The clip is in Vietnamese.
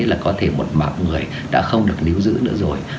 là có thể một mạng người đã không được níu giữ nữa rồi